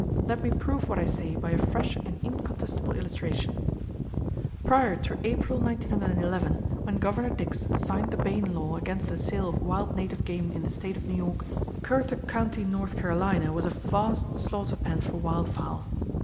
Let me prove what I say by a fresh and incontestable illustration: Prior to April, 1911, when Governor Dix signed the Bayne law against the sale of wild native game in the State of New York, Currituck County, N.C., was a vast slaughter pen for wild fowl.